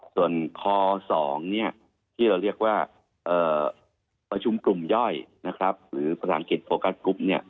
ส่วนค๒ที่เราเรียกว่าประชุมกลุ่มย่อยหรือภาษาอังกฤษโฟกัสกรุ๊ป